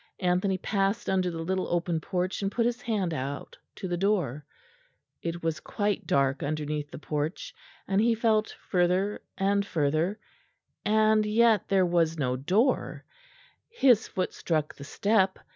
Anthony passed under the little open porch and put his hand out to the door; it was quite dark underneath the porch, and he felt further and further, and yet there was no door; his foot struck the step.